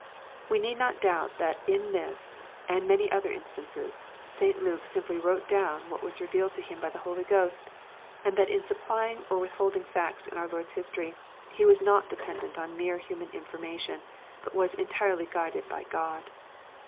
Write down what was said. We need not doubt that in this, and many other instances, St. Luke simply wrote down what was revealed to him by the Holy Ghost^ and that in supplying or withholding facts in our Lord's history, he was not dependent on mere human information, but was entirely guided. by God.